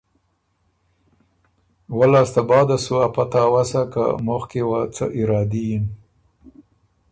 وۀ لاسته بعده سُ بيې ا پته اؤسا که مُخکی وه څۀ ارادي یِن۔